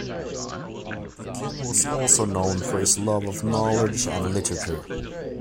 The king was also known for his love of knowledge and literature.